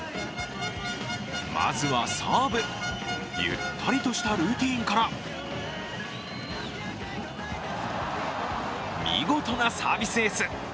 まずはサーブ、ゆったりとしたルーティーンから見事なサービスエース。